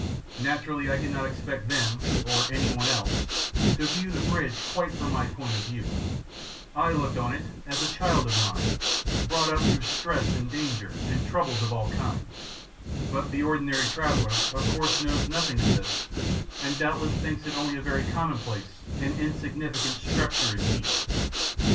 Naturally I could not expect them, or anyone else, to view the bridge quite from my point of view; I looked on it as a child of mine, brought up through stress and danger and troubles of all kinds, but the ordinary traveller of course knows nothing of this and doubtless thinks it only a very commonplace and insignificant structure indeed.